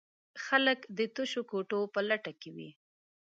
خلک د تشو کوټو په لټه کې وي.